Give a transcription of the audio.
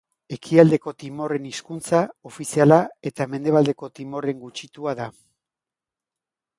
Ekialdeko Timorren hizkuntza ofiziala eta Mendebaldeko Timorren gutxitua da.